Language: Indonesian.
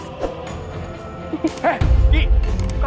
saya masih ada nyawa satu lagi nih mas